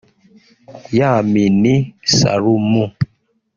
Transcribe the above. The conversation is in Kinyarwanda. Yamini Salumu